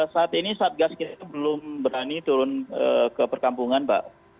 saat ini satgas kita belum berani turun ke perkampungan mbak